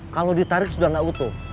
kalau ditarik sudah tidak utuh